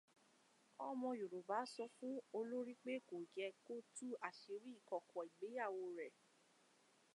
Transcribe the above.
Ọmọ Yorùbá sọ fún olorì pé kò yẹ kó tú àṣírí ìkọ̀kọ̀ ìgbéyàwó rẹ.